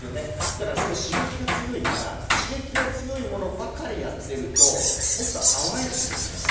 だからその刺激が強いから刺激の強いものばかりやってるともっと淡い刺激のもの。